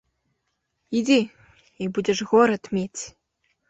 Ідзі, і будзеш горад мець.